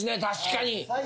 確かに。